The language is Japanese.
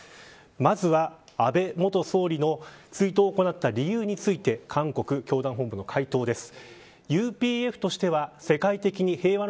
まずは、安倍元総理の追悼を行った理由について韓国教団本部の回答です。